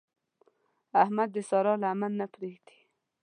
احمد د سارا لمن نه پرېږدي.